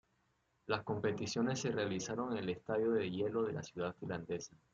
Las competiciones se realizaron en el Estadio de Hielo de la ciudad finlandesa.